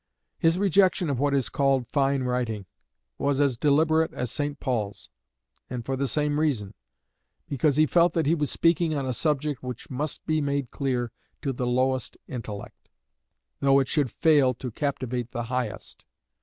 His rejection of what is called 'fine writing' was as deliberate as St. Paul's, and for the same reason because he felt that he was speaking on a subject which must be made clear to the lowest intellect, though it should fail to captivate the highest.